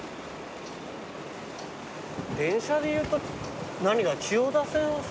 電車でいうと千代田線。